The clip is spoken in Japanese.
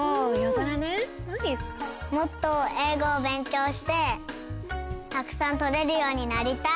もっとえいごをべんきょうしてたくさんとれるようになりたい。